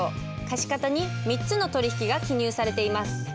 貸方に３つの取引が記入されています。